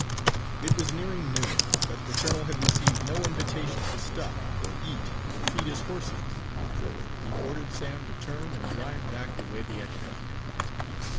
It was nearing noon, but the colonel had received no invitation to stop, or eat, or feed his horses. He ordered Sam to turn and drive back the way they had come.